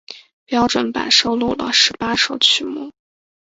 标准版收录了十八首曲目。